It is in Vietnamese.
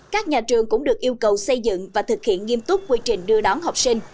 các nhà trường cũng được yêu cầu xây dựng và thực hiện nghiêm túc quy trình đưa đón học sinh